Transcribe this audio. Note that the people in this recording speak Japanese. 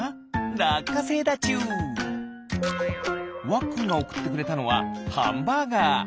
わっくんがおくってくれたのはハンバーガー。